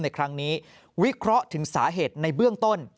ในครั้งนี้วิเคราะห์ถึงสาเหตุในเบื้องต้น